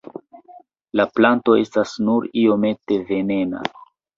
La planto estas nur iomete venena.